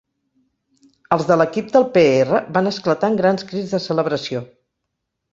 Els de l'equip del Pe Erra van esclatar en grans crits de celebració.